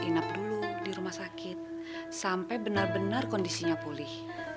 hunaf dulu dirumah sakit sampai benar benar kondisinya pulih tapi dong rasanya enggak